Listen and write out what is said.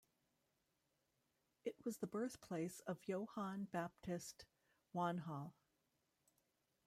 It was the birthplace of Johann Baptist Wanhal.